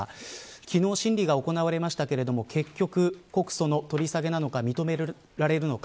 昨日審理が行われましたけれども結局、告訴の取り下げなのか認められるのか。